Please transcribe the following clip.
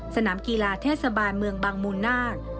สนามกีฬาเทศบาลเมืองบางมูลนาค